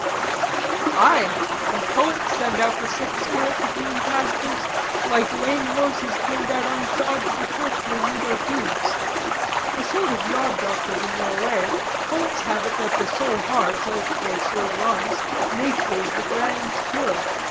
"Aye, and poets send out the sick spirit to green pastures, like lame horses turned out unshod to the turf to renew their hoofs. A sort of yarb doctors in their way, poets have it that for sore hearts, as for sore lungs, nature is the grand cure.